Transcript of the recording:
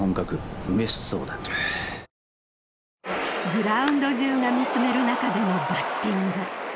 グラウンド中が見つめる中でのバッティング。